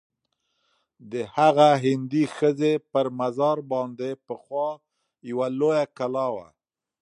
د هغه هندۍ ښځي پر مزار باندي پخوا یوه لویه کلا وه.